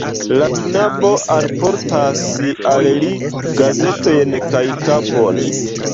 La knabo alportas al li gazetojn kaj kafon.